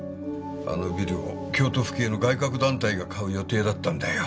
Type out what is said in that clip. あのビルを京都府警の外郭団体が買う予定だったんだよ。